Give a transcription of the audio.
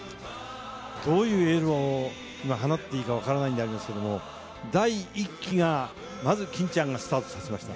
どういうエールを今はなっていいか分からないんですけど、第１期がまず欽ちゃんがスタートさせました。